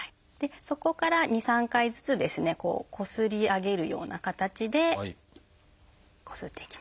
そこから２３回ずつですねこすり上げるような形でこすっていきます。